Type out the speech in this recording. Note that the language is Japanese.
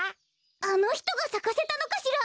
あのひとがさかせたのかしら？